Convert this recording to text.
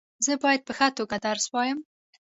زه باید په ښه توګه درس وایم.